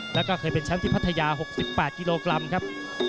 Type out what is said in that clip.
แล้วก็เคยเป็นแชมป์ที่พัทยา๖๘กิโลกรัมครับ